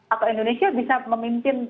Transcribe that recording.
atau indonesia bisa memimpin